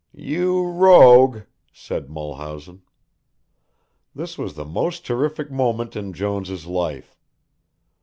"You rogue," said Mulhausen. That was the most terrific moment in Jones' life.